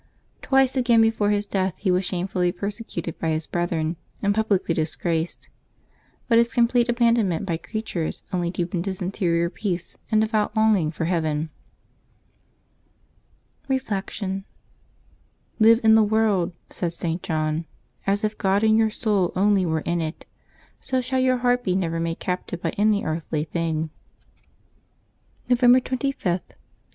Twice again, before his death, he was shamefully persecuted by his brethren, and publicly disgraced. But his complete abandonment by creatures only deepened his interior peace and devout longing for heaven. Reflection. —" Live in the world," said .St. John, " as if God and your soul only were in it ; so shall your heart be never made captive by any earthly thing.'' 366 LIVES OF THE SAINTS [November 26 November 25.